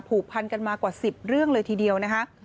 ผูกพันกันมากว่า๑๐เรื่องเลยทีเดียวนะคะ